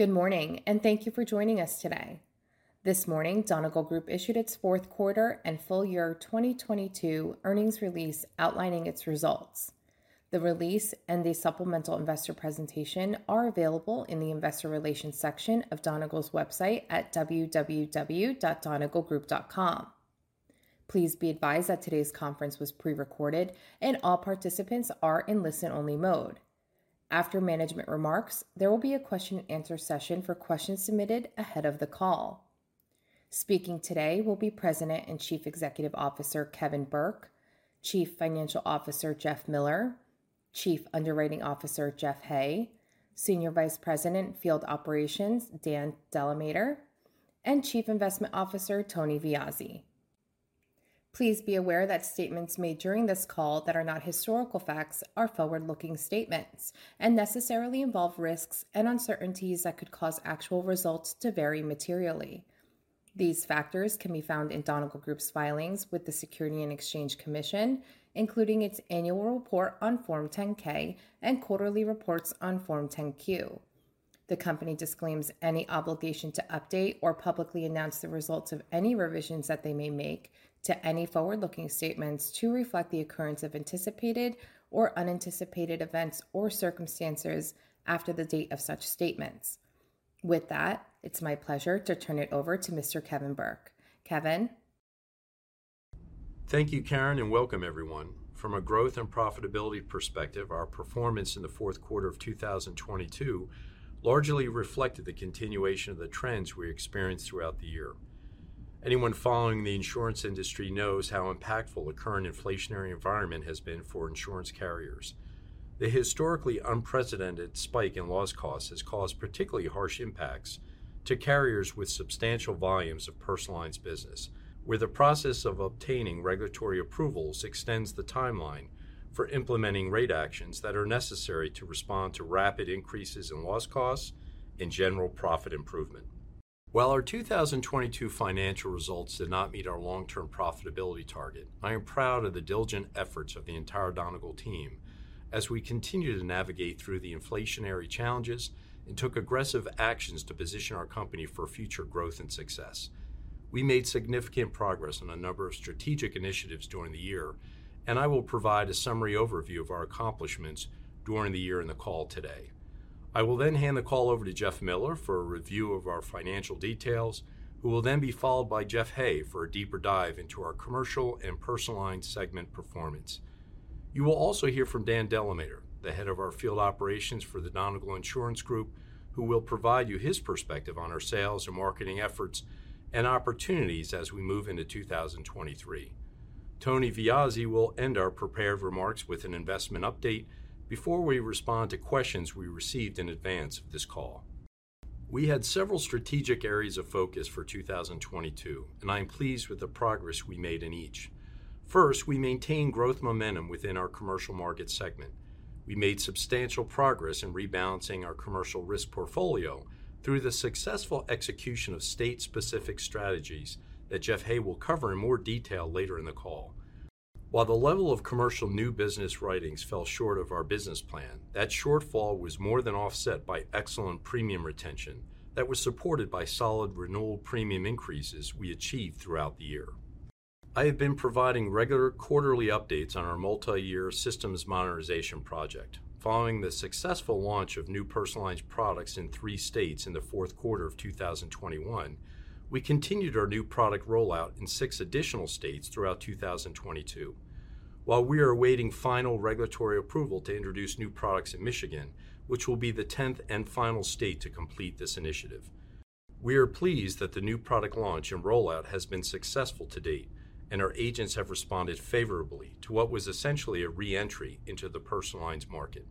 Good morning. Thank you for joining us today. This morning, Donegal Group issued its fourth quarter and full-year 2022 earnings release outlining its results. The release and the supplemental investor presentation are available in the investor relations section of Donegal's website at www.donegalgroup.com. Please be advised that today's conference was pre-recorded and all participants are in listen-only mode. After management remarks, there will be a question-and-answer session for questions submitted ahead of the call. Speaking today will be President and Chief Executive Officer, Kevin Burke; Chief Financial Officer, Jeff Miller; Chief Underwriting Officer, Jeff Hay; Senior Vice President, Field Operations, Dan Delamater; and Chief Investment Officer, Tony Viazzi. Please be aware that statements made during this call that are not historical facts are forward-looking statements and necessarily involve risks and uncertainties that could cause actual results to vary materially. These factors can be found in Donegal Group's filings with the Securities and Exchange Commission, including its annual report on Form 10-K and quarterly reports on Form 10-Q. The company disclaims any obligation to update or publicly announce the results of any revisions that they may make to any forward-looking statements to reflect the occurrence of anticipated or unanticipated events or circumstances after the date of such statements. With that, it's my pleasure to turn it over to Mr. Kevin Burke. Kevin? Thank you, Karin. Welcome everyone. From a growth and profitability perspective, our performance in the fourth quarter of 2022 largely reflected the continuation of the trends we experienced throughout the year. Anyone following the insurance industry knows how impactful the current inflationary environment has been for insurance carriers. The historically unprecedented spike in loss costs has caused particularly harsh impacts to carriers with substantial volumes of personal lines business, where the process of obtaining regulatory approvals extends the timeline for implementing rate actions that are necessary to respond to rapid increases in loss costs and general profit improvement. While our 2022 financial results did not meet our long-term profitability target, I am proud of the diligent efforts of the entire Donegal team as we continue to navigate through the inflationary challenges and took aggressive actions to position our company for future growth and success. We made significant progress on a number of strategic initiatives during the year. I will provide a summary overview of our accomplishments during the year in the call today. I will hand the call over to Jeff Miller for a review of our financial details, who will then be followed by Jeff Hay for a deeper dive into our commercial and personal line segment performance. You will also hear from Dan Delamater, the head of our field operations for the Donegal Insurance Group, who will provide you his perspective on our sales and marketing efforts and opportunities as we move into 2023. Tony Viozzi will end our prepared remarks with an investment update before we respond to questions we received in advance of this call. We had several strategic areas of focus for 2022, and I am pleased with the progress we made in each. First, we maintained growth momentum within our commercial market segment. We made substantial progress in rebalancing our commercial risk portfolio through the successful execution of state-specific strategies that Jeff Hay will cover in more detail later in the call. While the level of commercial new business writings fell short of our business plan, that shortfall was more than offset by excellent premium retention that was supported by solid renewal premium increases we achieved throughout the year. I have been providing regular quarterly updates on our multi-year systems modernization project. Following the successful launch of new personal lines products in three states in the fourth quarter of 2021, we continued our new product rollout in six additional states throughout 2022 while we are awaiting final regulatory approval to introduce new products in Michigan, which will be the 10th and final state to complete this initiative. We are pleased that the new product launch and rollout has been successful to date, and our agents have responded favorably to what was essentially a re-entry into the personal lines market.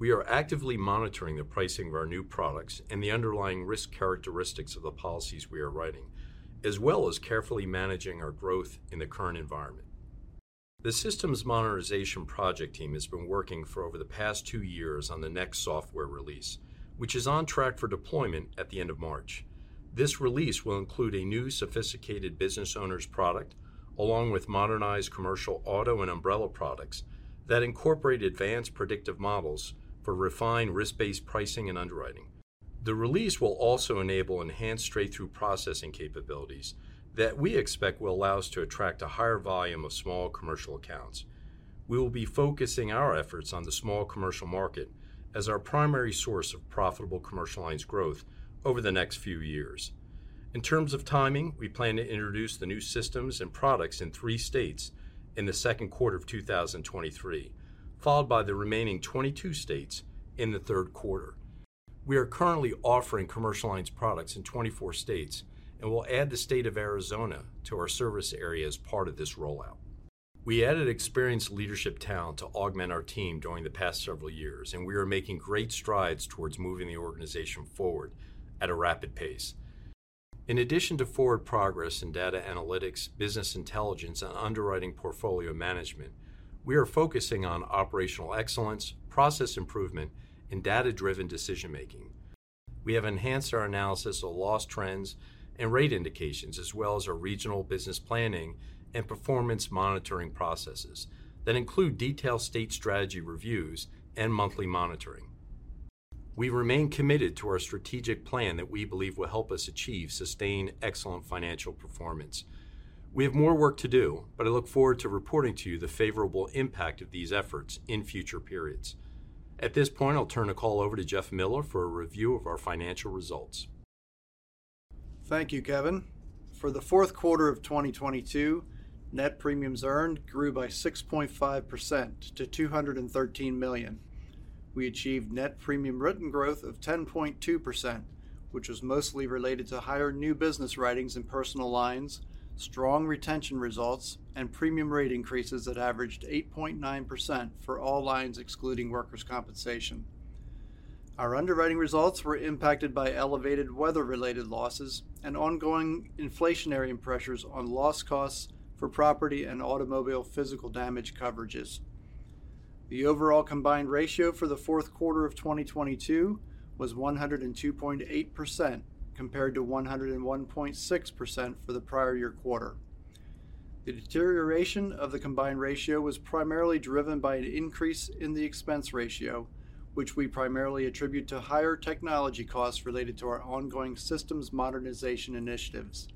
We are actively monitoring the pricing of our new products and the underlying risk characteristics of the policies we are writing, as well as carefully managing our growth in the current environment. The systems modernization project team has been working for over the past two years on the next software release, which is on track for deployment at the end of March. This release will include a new sophisticated Businessowners product along with modernized Commercial Auto and Umbrella products that incorporate advanced predictive models for refined risk-based pricing and underwriting. The release will also enable enhanced straight-through processing capabilities that we expect will allow us to attract a higher volume of small commercial accounts. We will be focusing our efforts on the small commercial market as our primary source of profitable commercial lines growth over the next few years. In terms of timing, we plan to introduce the new systems and products in three states in the second quarter of 2023, followed by the remaining 22 states in the third quarter. We are currently offering commercial lines products in 24 states and will add the state of Arizona to our service area as part of this rollout. We added experienced leadership talent to augment our team during the past several years, and we are making great strides towards moving the organization forward at a rapid pace. In addition to forward progress in data analytics, business intelligence, and underwriting portfolio management, we are focusing on operational excellence, process improvement, and data-driven decision-making. We have enhanced our analysis of loss trends and rate indications, as well as our regional business planning and performance monitoring processes that include detailed state strategy reviews and monthly monitoring We remain committed to our strategic plan that we believe will help us achieve sustained excellent financial performance. We have more work to do. I look forward to reporting to you the favorable impact of these efforts in future periods. At this point, I'll turn the call over to Jeff Miller for a review of our financial results. Thank you, Kevin. For the fourth quarter of 2022, net premiums earned grew by 6.5% to $213 million. We achieved net premiums written growth of 10.2%, which was mostly related to higher new business writings in personal lines, strong retention results, and premium rate increases that averaged 8.9% for all lines excluding Workers' Compensation. Our underwriting results were impacted by elevated weather-related losses and ongoing inflationary pressures on loss costs for property and automobile physical damage coverages. The overall combined ratio for the fourth quarter of 2022 was 102.8% compared to 101.6% for the prior year quarter. The deterioration of the combined ratio was primarily driven by an increase in the expense ratio, which we primarily attribute to higher technology costs related to our ongoing systems modernization initiatives.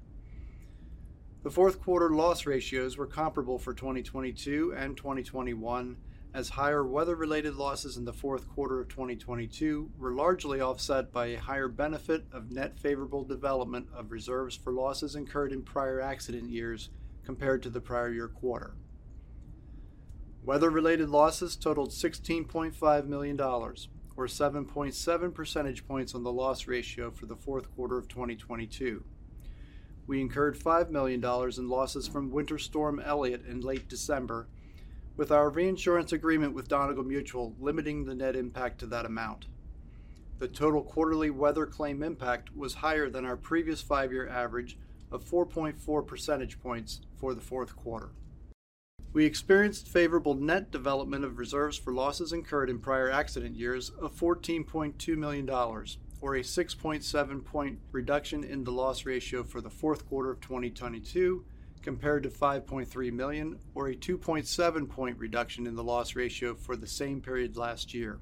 The fourth quarter loss ratios were comparable for 2022 and 2021 as higher weather-related losses in the fourth quarter of 2022 were largely offset by a higher benefit of net favorable development of reserves for losses incurred in prior accident years compared to the prior year quarter. Weather-related losses totaled $16.5 million or 7.7 percentage points on the loss ratio for the fourth quarter of 2022. We incurred $5 million in losses from Winter Storm Elliott in late December, with our reinsurance agreement with Donegal Mutual limiting the net impact to that amount. The total quarterly weather claim impact was higher than our previous five-year average of 4.4 percentage points for the fourth quarter. We experienced favorable net development of reserves for losses incurred in prior accident years of $14.2 million, or a 6.7 point reduction in the loss ratio for the fourth quarter of 2022, compared to $5.3 million, or a 2.7 point reduction in the loss ratio for the same period last year.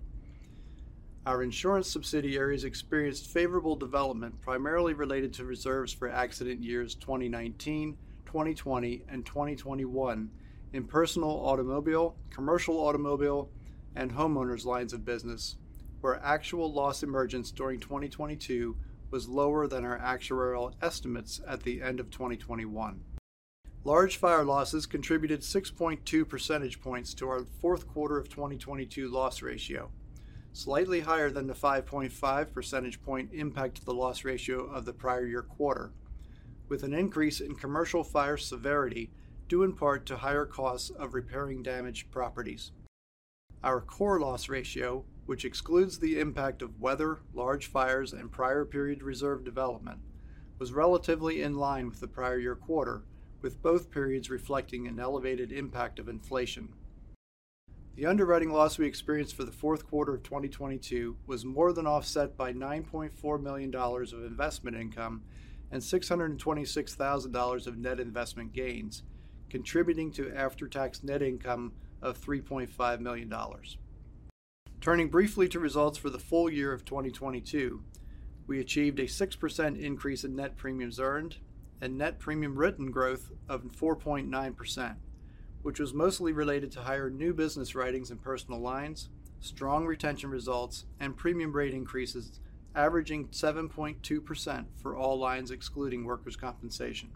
Our insurance subsidiaries experienced favorable development primarily related to reserves for accident years 2019, 2020, and 2021 in personal automobile, commercial automobile, and homeowners lines of business, where actual loss emergence during 2022 was lower than our actuarial estimates at the end of 2021. Large fire losses contributed 6.2 percentage points to our fourth quarter of 2022 loss ratio, slightly higher than the 5.5 percentage point impact to the loss ratio of the prior year quarter, with an increase in commercial fire severity due in part to higher costs of repairing damaged properties. Our core loss ratio, which excludes the impact of weather, large fires, and prior period reserve development, was relatively in line with the prior year quarter, with both periods reflecting an elevated impact of inflation. The underwriting loss we experienced for the fourth quarter of 2022 was more than offset by $9.4 million of investment income and $626,000 of net investment gains, contributing to after-tax net income of $3.5 million. Turning briefly to results for the full-year of 2022, we achieved a 6% increase in net premiums earned and net premium written growth of 4.9%, which was mostly related to higher new business writings in personal lines, strong retention results, and premium rate increases averaging 7.2% for all lines excluding Workers' Compensation.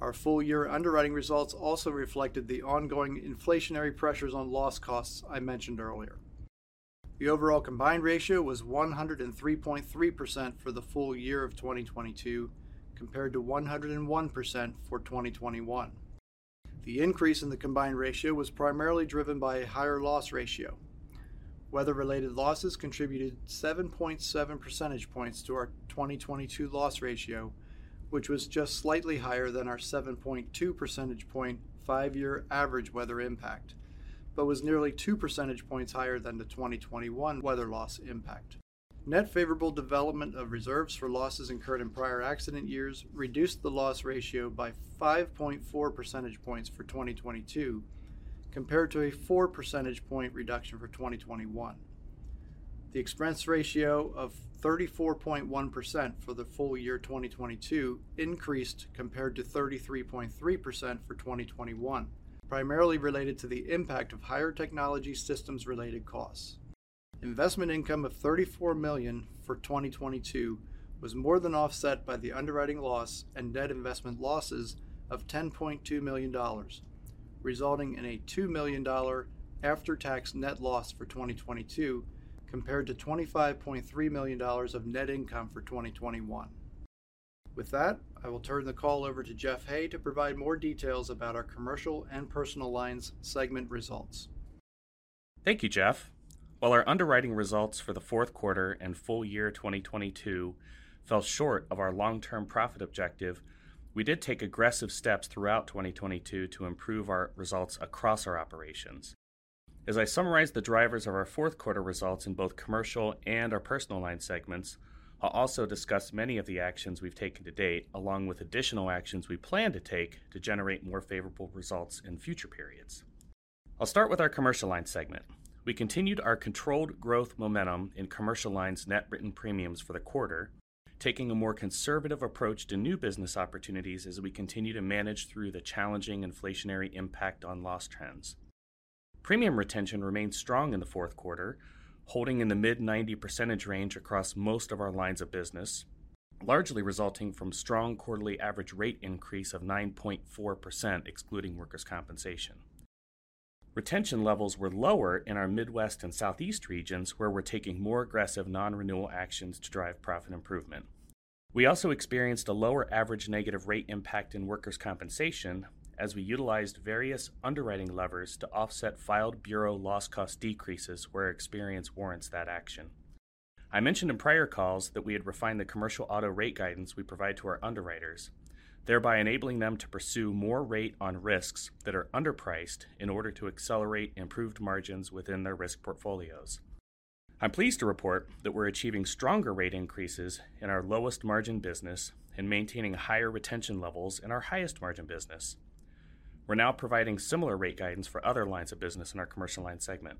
Our full-year underwriting results also reflected the ongoing inflationary pressures on loss costs I mentioned earlier. The overall combined ratio was 103.3% for the full-year of 2022, compared to 101% for 2021. The increase in the combined ratio was primarily driven by a higher loss ratio. Weather-related losses contributed 7.7 percentage points to our 2022 loss ratio, which was just slightly higher than our 7.2 percentage point 5-year average weather impact, but was nearly 2 percentage points higher than the 2021 weather loss impact. Net favorable development of reserves for losses incurred in prior accident years reduced the loss ratio by 5.4 percentage points for 2022 compared to a 4 percentage point reduction for 2021. The expense ratio of 34.1% for the full-year 2022 increased compared to 33.3% for 2021, primarily related to the impact of higher technology systems related costs. Investment income of $34 million for 2022 was more than offset by the underwriting loss and net investment losses of $10.2 million, resulting in a $2 million after-tax net loss for 2022 compared to $25.3 million of net income for 2021. With that, I will turn the call over to Jeff Hay to provide more details about our commercial and personal lines segment results. Thank you, Jeff. While our underwriting results for the fourth quarter and full-year 2022 fell short of our long-term profit objective, we did take aggressive steps throughout 2022 to improve our results across our operations. As I summarize the drivers of our fourth quarter results in both Commercial and our Personal Lines segments, I'll also discuss many of the actions we've taken to date, along with additional actions we plan to take to generate more favorable results in future periods. I'll start with our Commercial Lines segment. We continued our controlled growth momentum in Commercial Lines net written premiums for the quarter, taking a more conservative approach to new business opportunities as we continue to manage through the challenging inflationary impact on loss trends. Premium retention remained strong in the fourth quarter, holding in the mid-90% range across most of our lines of business, largely resulting from strong quarterly average rate increase of 9.4% excluding Workers' Compensation. Retention levels were lower in our Midwest and Southeast regions, where we're taking more aggressive non-renewal actions to drive profit improvement. We also experienced a lower average negative rate impact in Workers' Compensation as we utilized various underwriting levers to offset filed bureau loss cost decreases where experience warrants that action. I mentioned in prior calls that we had refined the Commercial Auto rate guidance we provide to our underwriters, thereby enabling them to pursue more rate on risks that are underpriced in order to accelerate improved margins within their risk portfolios. I'm pleased to report that we're achieving stronger rate increases in our lowest margin business and maintaining higher retention levels in our highest margin business. We're now providing similar rate guidance for other lines of business in our Commercial Lines segment.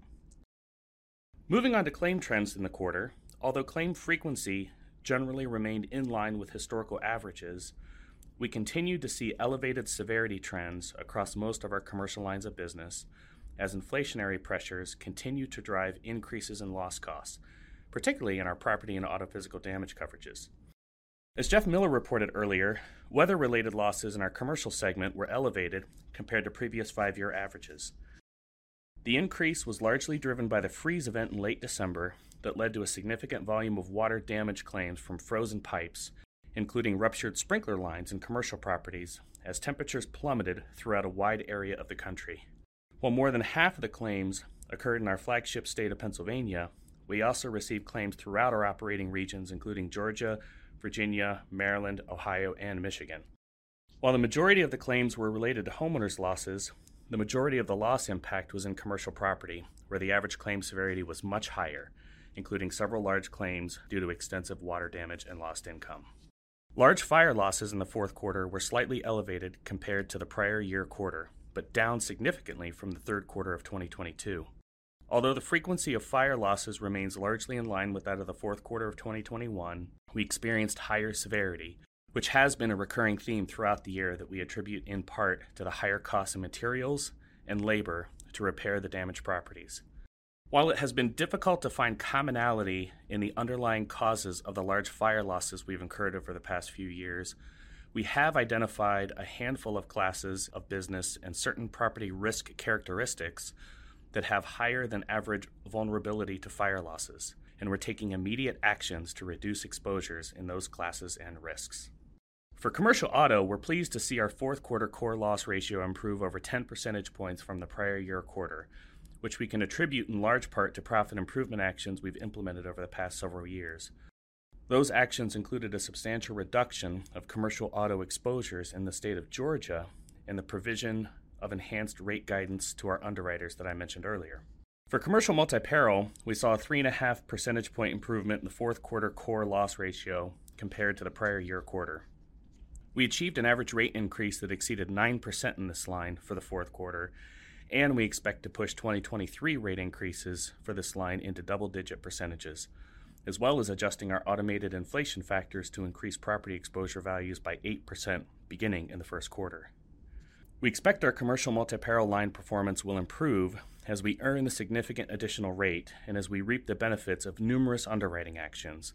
Moving on to claim trends in the quarter. Although claim frequency generally remained in line with historical averages, we continued to see elevated severity trends across most of our commercial lines of business as inflationary pressures continued to drive increases in loss costs, particularly in our property and auto physical damage coverages. As Jeff Miller reported earlier, weather-related losses in our commercial segment were elevated compared to previous five-year averages. The increase was largely driven by the freeze event in late December that led to a significant volume of water damage claims from frozen pipes, including ruptured sprinkler lines in commercial properties as temperatures plummeted throughout a wide area of the country. While more than half of the claims occurred in our flagship state of Pennsylvania, we also received claims throughout our operating regions, including Georgia, Virginia, Maryland, Ohio, and Michigan. While the majority of the claims were related to homeowners' losses, the majority of the loss impact was in commercial property, where the average claim severity was much higher, including several large claims due to extensive water damage and lost income. Large fire losses in the fourth quarter were slightly elevated compared to the prior year quarter, but down significantly from the third quarter of 2022. Although the frequency of fire losses remains largely in line with that of the fourth quarter of 2021, we experienced higher severity, which has been a recurring theme throughout the year that we attribute in part to the higher cost of materials and labor to repair the damaged properties. While it has been difficult to find commonality in the underlying causes of the large fire losses we've incurred over the past few years, we have identified a handful of classes of business and certain property risk characteristics that have higher than average vulnerability to fire losses, and we're taking immediate actions to reduce exposures in those classes and risks. For Commercial Auto, we're pleased to see our fourth quarter core loss ratio improve over 10 percentage points from the prior year quarter, which we can attribute in large part to profit improvement actions we've implemented over the past several years. Those actions included a substantial reduction of Commercial Auto exposures in the state of Georgia and the provision of enhanced rate guidance to our underwriters that I mentioned earlier. For Commercial Multi-Peril, we saw a 3.5 percentage point improvement in the fourth quarter core loss ratio compared to the prior year quarter. We achieved an average rate increase that exceeded 9% in this line for the fourth quarter. We expect to push 2023 rate increases for this line into double-digit %, as well as adjusting our automated inflation factors to increase property exposure values by 8% beginning in the first quarter. We expect our Commercial Multi-Peril line performance will improve as we earn the significant additional rate and as we reap the benefits of numerous underwriting actions,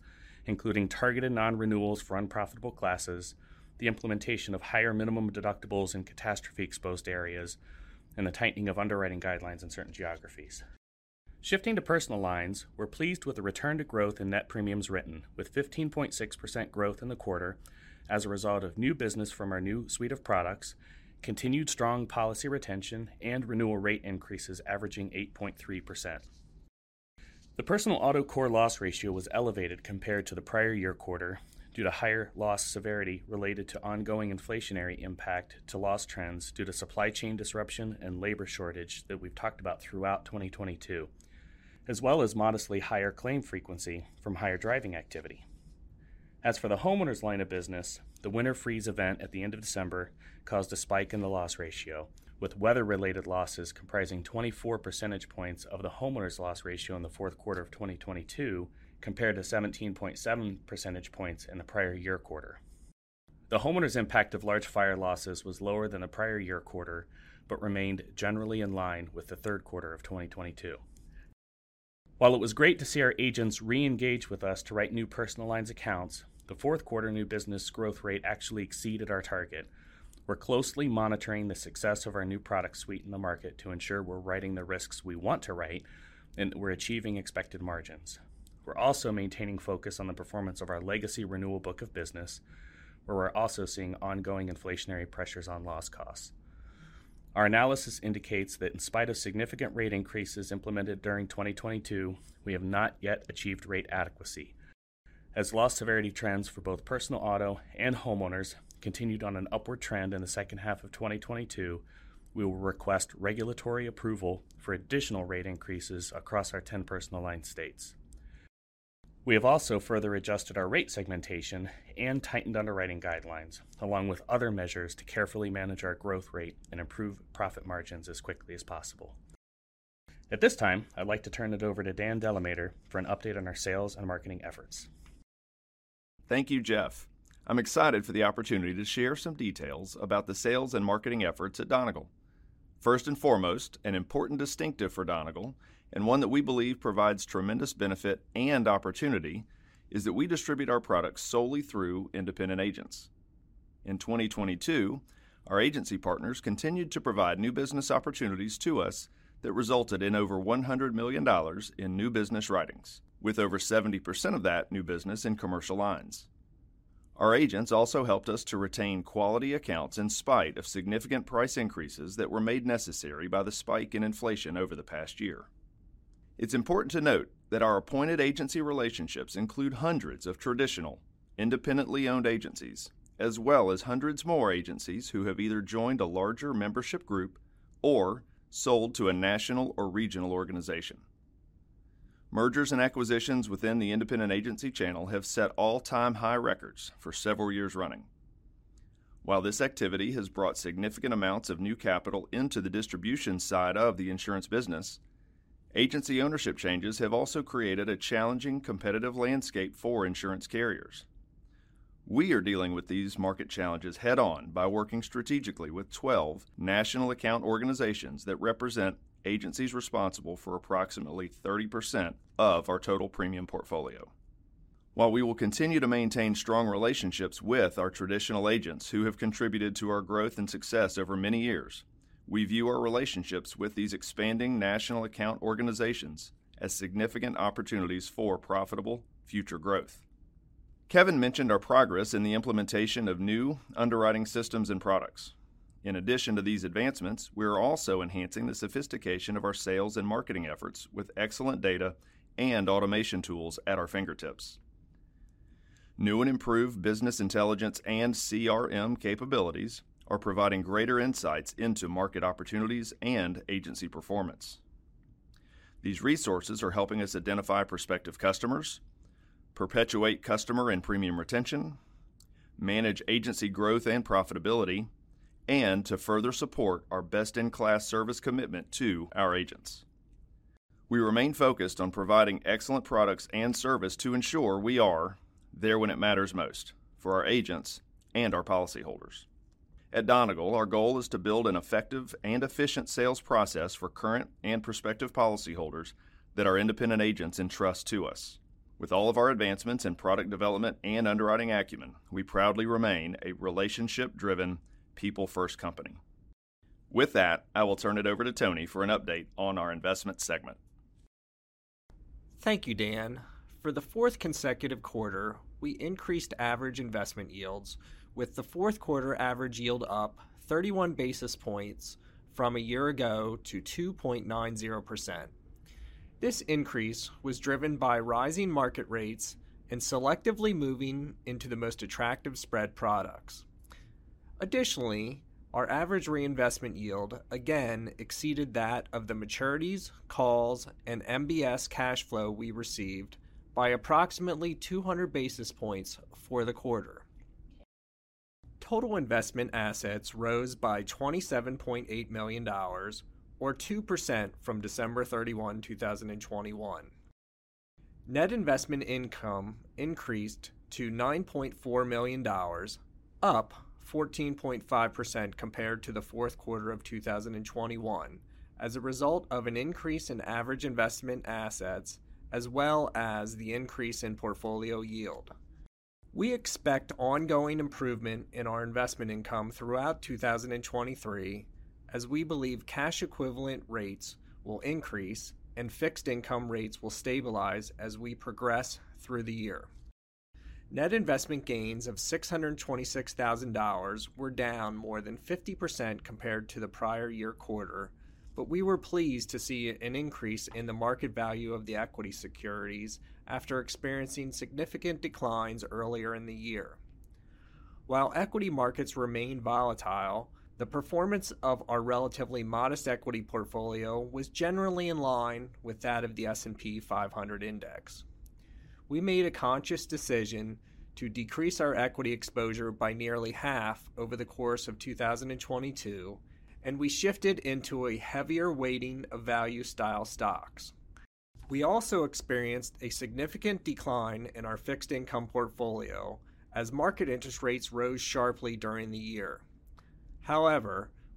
including targeted non-renewals for unprofitable classes, the implementation of higher minimum deductibles in catastrophe-exposed areas, and the tightening of underwriting guidelines in certain geographies. Shifting to personal lines, we're pleased with the return to growth in net premiums written, with 15.6% growth in the quarter as a result of new business from our new suite of products, continued strong policy retention, and renewal rate increases averaging 8.3%. The Personal Auto core loss ratio was elevated compared to the prior year quarter due to higher loss severity related to ongoing inflationary impact to loss trends due to supply chain disruption and labor shortage that we've talked about throughout 2022, as well as modestly higher claim frequency from higher driving activity. The Homeowners line of business, the winter freeze event at the end of December caused a spike in the loss ratio, with weather-related losses comprising 24 percentage points of the Homeowners loss ratio in the fourth quarter of 2022 compared to 17.7 percentage points in the prior year quarter. The Homeowners impact of large fire losses was lower than the prior year quarter but remained generally in line with the third quarter of 2022. While it was great to see our agents re-engage with us to write new personal lines accounts, the fourth quarter new business growth rate actually exceeded our target. We're closely monitoring the success of our new product suite in the market to ensure we're writing the risks we want to write and we're achieving expected margins. We're also maintaining focus on the performance of our legacy renewal book of business, where we're also seeing ongoing inflationary pressures on loss costs. Our analysis indicates that in spite of significant rate increases implemented during 2022, we have not yet achieved rate adequacy. As loss severity trends for both personal auto and homeowners continued on an upward trend in the second half of 2022, we will request regulatory approval for additional rate increases across our 10 personal line states. We have also further adjusted our rate segmentation and tightened underwriting guidelines along with other measures to carefully manage our growth rate and improve profit margins as quickly as possible. At this time, I'd like to turn it over to Dan DeLamater for an update on our sales and marketing efforts. Thank you, Jeff. I'm excited for the opportunity to share some details about the sales and marketing efforts at Donegal. First and foremost, an important distinctive for Donegal and one that we believe provides tremendous benefit and opportunity is that we distribute our products solely through independent agents. In 2022, our agency partners continued to provide new business opportunities to us that resulted in over $100 million in new business writings, with over 70% of that new business in commercial lines. Our agents also helped us to retain quality accounts in spite of significant price increases that were made necessary by the spike in inflation over the past year. It's important to note that our appointed agency relationships include hundreds of traditional independently owned agencies, as well as hundreds more agencies who have either joined a larger membership group or sold to a national or regional organization. Mergers and acquisitions within the independent agency channel have set all-time high records for several years running. While this activity has brought significant amounts of new capital into the distribution side of the insurance business, agency ownership changes have also created a challenging competitive landscape for insurance carriers. We are dealing with these market challenges head-on by working strategically with 12 national account organizations that represent agencies responsible for approximately 30% of our total premium portfolio. While we will continue to maintain strong relationships with our traditional agents who have contributed to our growth and success over many years, we view our relationships with these expanding national account organizations as significant opportunities for profitable future growth. Kevin mentioned our progress in the implementation of new underwriting systems and products. In addition to these advancements, we are also enhancing the sophistication of our sales and marketing efforts with excellent data and automation tools at our fingertips. New and improved business intelligence and CRM capabilities are providing greater insights into market opportunities and agency performance. These resources are helping us identify prospective customers, perpetuate customer and premium retention, manage agency growth and profitability, and to further support our best-in-class service commitment to our agents. We remain focused on providing excellent products and service to ensure we are there when it matters most for our agents and our policyholders. At Donegal, our goal is to build an effective and efficient sales process for current and prospective policyholders that our independent agents entrust to us. With all of our advancements in product development and underwriting acumen, we proudly remain a relationship-driven people-first company. With that, I will turn it over to Tony for an update on our investment segment. Thank you, Dan. For the fourth consecutive quarter, we increased average investment yields with the fourth quarter average yield up 31 basis points from a year ago to 2.90%. This increase was driven by rising market rates and selectively moving into the most attractive spread products. Additionally, our average reinvestment yield again exceeded that of the maturities, calls, and MBS cash flow we received by approximately 200 basis points for the quarter. Total investment assets rose by $27.8 million or 2% from December 31, 2021. Net investment income increased to $9.4 million, up 14.5% compared to the fourth quarter of 2021 as a result of an increase in average investment assets as well as the increase in portfolio yield. We expect ongoing improvement in our investment income throughout 2023 as we believe cash equivalent rates will increase and fixed income rates will stabilize as we progress through the year. Net investment gains of $626,000 were down more than 50% compared to the prior year quarter. We were pleased to see an increase in the market value of the equity securities after experiencing significant declines earlier in the year. While equity markets remain volatile, the performance of our relatively modest equity portfolio was generally in line with that of the S&P 500 index. We made a conscious decision to decrease our equity exposure by nearly half over the course of 2022. We shifted into a heavier weighting of value-style stocks. We also experienced a significant decline in our fixed income portfolio as market interest rates rose sharply during the year.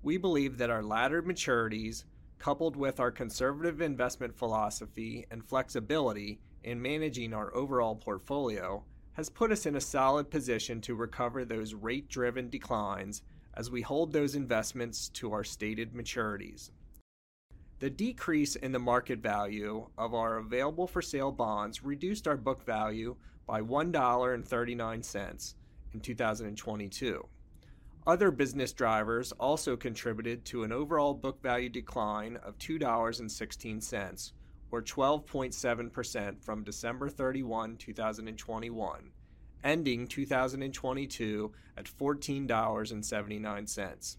We believe that our laddered maturities, coupled with our conservative investment philosophy and flexibility in managing our overall portfolio, has put us in a solid position to recover those rate-driven declines as we hold those investments to our stated maturities. The decrease in the market value of our available-for-sale bonds reduced our book value by $1.39 in 2022. Other business drivers also contributed to an overall book value decline of $2.16 or 12.7% from December 31, 2021, ending 2022 at $14.79.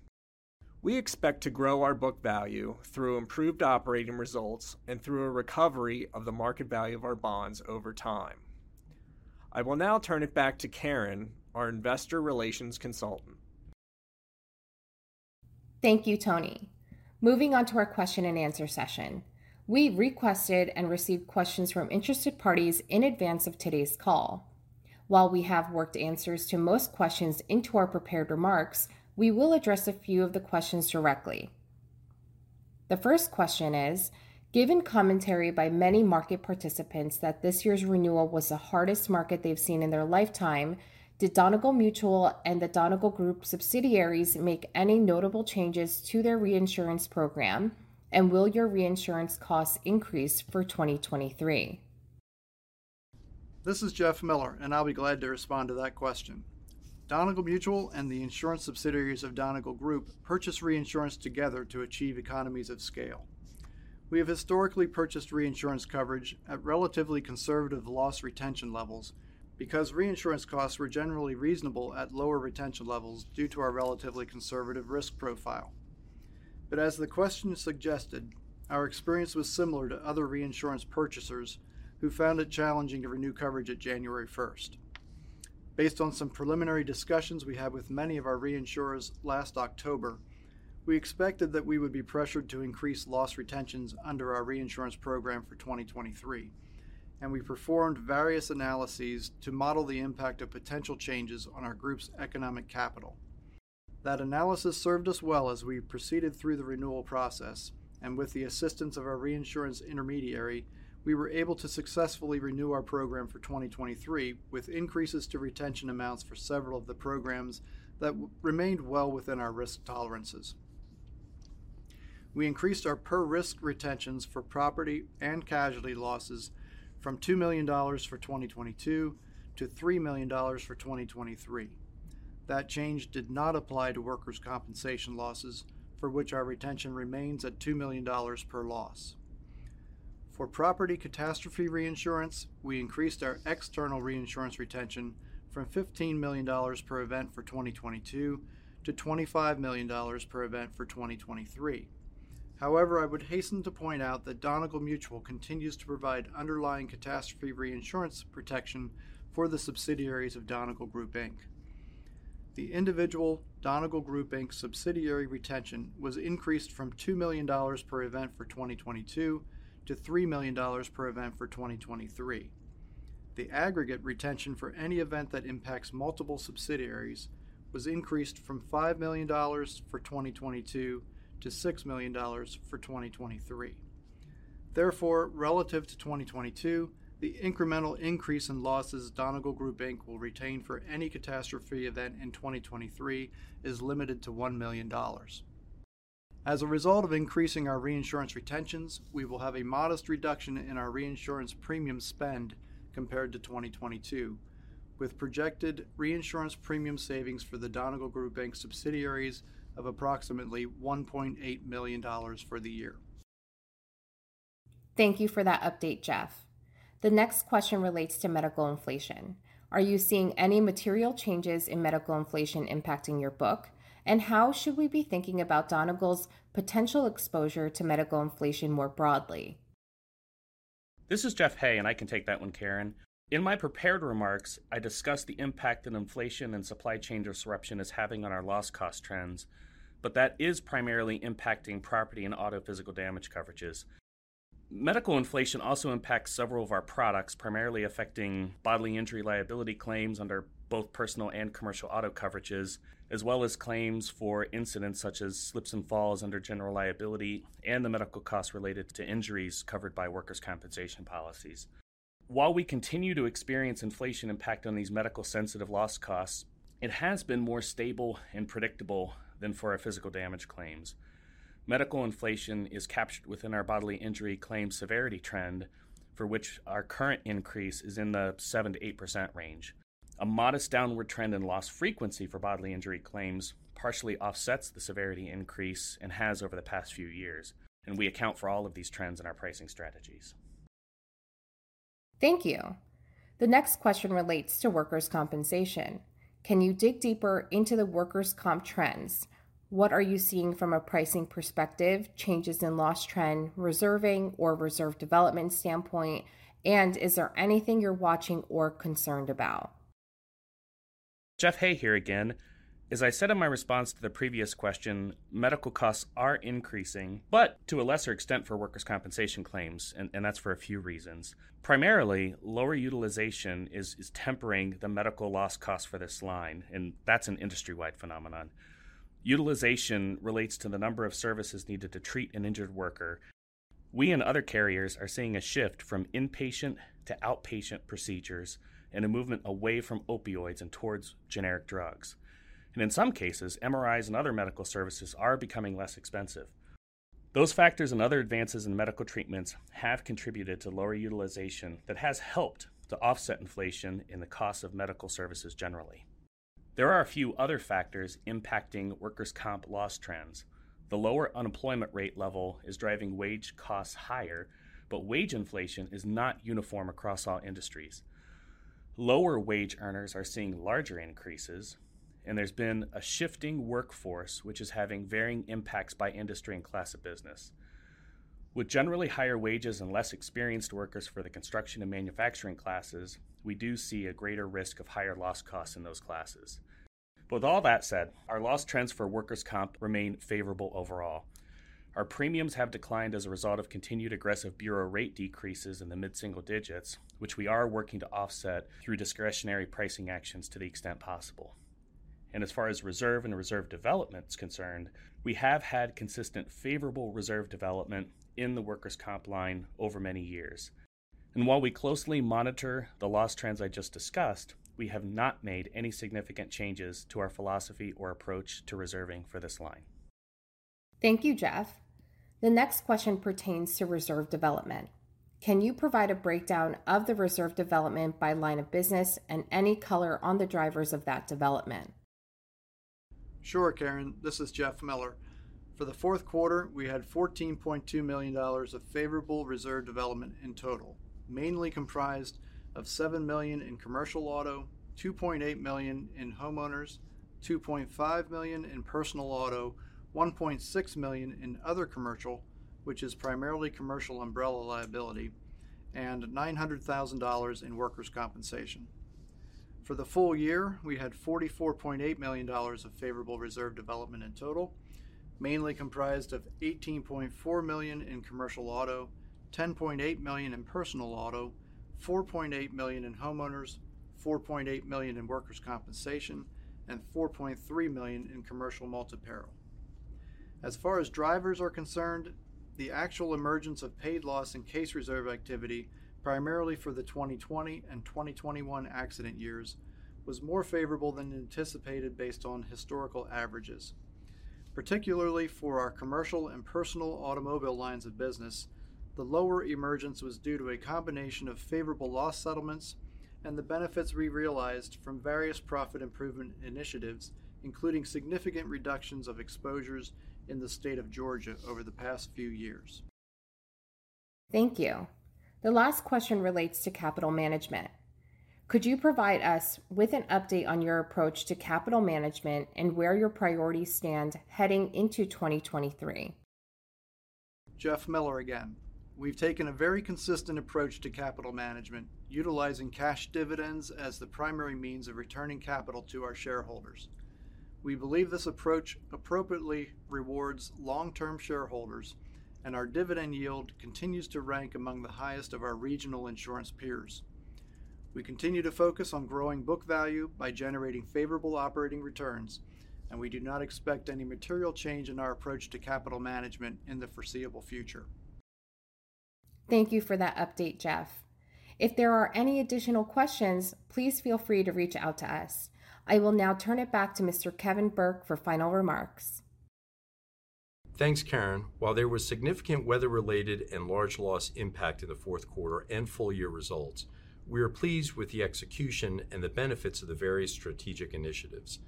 We expect to grow our book value through improved operating results and through a recovery of the market value of our bonds over time. I will now turn it back to Karin, our investor relations consultant. Thank you, Tony. Moving on to our question and answer session. We requested and received questions from interested parties in advance of today's call. While we have worked answers to most questions into our prepared remarks, we will address a few of the questions directly. The first question is: Given commentary by many market participants that this year's renewal was the hardest market they've seen in their lifetime, did Donegal Mutual and the Donegal Group subsidiaries make any notable changes to their reinsurance program? Will your reinsurance costs increase for 2023? This is Jeff Miller. I'll be glad to respond to that question. Donegal Mutual and the insurance subsidiaries of Donegal Group purchase reinsurance together to achieve economies of scale. We have historically purchased reinsurance coverage at relatively conservative loss retention levels because reinsurance costs were generally reasonable at lower retention levels due to our relatively conservative risk profile. As the question suggested, our experience was similar to other reinsurance purchasers who found it challenging to renew coverage at January first. Based on some preliminary discussions we had with many of our reinsurers last October, we expected that we would be pressured to increase loss retentions under our reinsurance program for 2023. We performed various analyses to model the impact of potential changes on our group's economic capital. That analysis served us well as we proceeded through the renewal process, and with the assistance of our reinsurance intermediary, we were able to successfully renew our program for 2023 with increases to retention amounts for several of the programs that remained well within our risk tolerances. We increased our per-risk retentions for property and casualty losses from $2 million for 2022 to $3 million for 2023. That change did not apply to Workers' Compensation losses, for which our retention remains at $2 million per loss. For property catastrophe reinsurance, we increased our external reinsurance retention from $15 million per event for 2022 to $25 million per event for 2023. I would hasten to point out that Donegal Mutual continues to provide underlying catastrophe reinsurance protection for the subsidiaries of Donegal Group Inc. The individual Donegal Group Inc. subsidiary retention was increased from $2 million per event for 2022 to $3 million per event for 2023. The aggregate retention for any event that impacts multiple subsidiaries was increased from $5 million for 2022 to $6 million for 2023. Relative to 2022, the incremental increase in losses Donegal Group Inc. will retain for any catastrophe event in 2023 is limited to $1 million. As a result of increasing our reinsurance retentions, we will have a modest reduction in our reinsurance premium spend compared to 2022, with projected reinsurance premium savings for the Donegal Group Inc. subsidiaries of approximately $1.8 million for the year. Thank you for that update, Jeff. The next question relates to medical inflation. Are you seeing any material changes in medical inflation impacting your book? How should we be thinking about Donegal's potential exposure to medical inflation more broadly? This is Jeff Hay, and I can take that one, Karin. In my prepared remarks, I discussed the impact that inflation and supply chain disruption is having on our loss cost trends, but that is primarily impacting property and auto physical damage coverages. Medical inflation also impacts several of our products, primarily affecting bodily injury liability claims under both personal and commercial auto coverages, as well as claims for incidents such as slips and falls under General Liability and the medical costs related to injuries covered by Workers' Compensation policies. While we continue to experience inflation impact on these medical-sensitive loss costs, it has been more stable and predictable than for our physical damage claims. Medical inflation is captured within our bodily injury claim severity trend, for which our current increase is in the 7%-8% range. A modest downward trend in loss frequency for bodily injury claims partially offsets the severity increase and has over the past few years, and we account for all of these trends in our pricing strategies. Thank you. The next question relates to workers' compensation. Can you dig deeper into the workers' comp trends? What are you seeing from a pricing perspective, changes in loss trend, reserving or reserve development standpoint, and is there anything you're watching or concerned about? Jeff Hay here again. As I said in my response to the previous question, medical costs are increasing, but to a lesser extent for Workers' Compensation claims, and that's for a few reasons. Primarily, lower utilization is tempering the medical loss cost for this line, and that's an industry-wide phenomenon. Utilization relates to the number of services needed to treat an injured worker. We and other carriers are seeing a shift from inpatient to outpatient procedures and a movement away from opioids and towards generic drugs. In some cases, MRIs and other medical services are becoming less expensive. Those factors and other advances in medical treatments have contributed to lower utilization that has helped to offset inflation in the cost of medical services generally. There are a few other factors impacting Workers' Comp loss trends. The lower unemployment rate level is driving wage costs higher, but wage inflation is not uniform across all industries. Lower wage earners are seeing larger increases, and there's been a shifting workforce which is having varying impacts by industry and class of business. With generally higher wages and less experienced workers for the construction and manufacturing classes, we do see a greater risk of higher loss costs in those classes. With all that said, our loss trends for Workers' Comp remain favorable overall. Our premiums have declined as a result of continued aggressive bureau rate decreases in the mid-single digits, which we are working to offset through discretionary pricing actions to the extent possible. As far as reserve and reserve development's concerned, we have had consistent favorable reserve development in the Workers' Comp line over many years. While we closely monitor the loss trends I just discussed, we have not made any significant changes to our philosophy or approach to reserving for this line. Thank you, Jeff. The next question pertains to reserve development. Can you provide a breakdown of the reserve development by line of business and any color on the drivers of that development? Sure, Karin. This is Jeff Miller. For the fourth quarter, we had $14.2 million of favorable reserve development in total, mainly comprised of $7 million in Commercial Auto, $2.8 million in Homeowners, $2.5 million in Personal Auto, $1.6 million in other commercial, which is primarily Commercial Umbrella Liability, and $900,000 in Workers' Compensation. For the full-year, we had $44.8 million of favorable reserve development in total, mainly comprised of $18.4 million in Commercial Auto, $10.8 million in Personal Auto, $4.8 million in Homeowners, $4.8 million in Workers' Compensation, and $4.3 million in Commercial Multi-Peril. As far as drivers are concerned, the actual emergence of paid loss and case reserve activity, primarily for the 2020 and 2021 accident years, was more favorable than anticipated based on historical averages. Particularly for our commercial and personal automobile lines of business, the lower emergence was due to a combination of favorable loss settlements and the benefits we realized from various profit improvement initiatives, including significant reductions of exposures in the state of Georgia over the past few years. Thank you. The last question relates to capital management. Could you provide us with an update on your approach to capital management and where your priorities stand heading into 2023? Jeff Miller again. We've taken a very consistent approach to capital management, utilizing cash dividends as the primary means of returning capital to our shareholders. We believe this approach appropriately rewards long-term shareholders. Our dividend yield continues to rank among the highest of our regional insurance peers. We continue to focus on growing book value by generating favorable operating returns. We do not expect any material change in our approach to capital management in the foreseeable future. Thank you for that update, Jeff. If there are any additional questions, please feel free to reach out to us. I will now turn it back to Mr. Kevin Burke for final remarks. Thanks, Karin. While there was significant weather-related and large loss impact in the fourth quarter and full-year results, we are pleased with the execution and the benefits of the various strategic initiatives.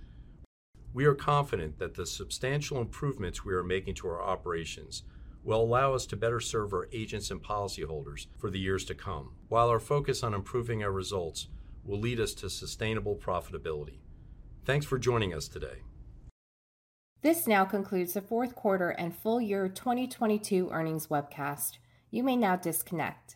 We are confident that the substantial improvements we are making to our operations will allow us to better serve our agents and policyholders for the years to come, while our focus on improving our results will lead us to sustainable profitability. Thanks for joining us today. This now concludes the fourth quarter and full-year 2022 earnings webcast. You may now disconnect.